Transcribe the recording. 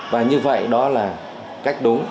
và như vậy đó là cách đúng